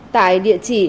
tại địa chỉ